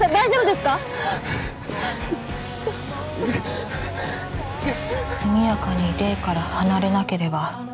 「すみやかに霊から離れなければ」